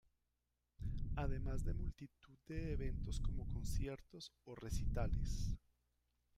Además de multitud de eventos como conciertos, o recitales.